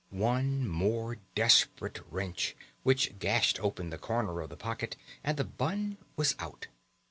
One more desperate wrench, which gashed open the corner of the pocket, and the bun was out.